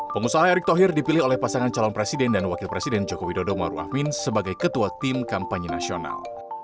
pengusaha erick thohir dipilih oleh pasangan calon presiden dan wakil presiden joko widodo maruf amin sebagai ketua tim kampanye nasional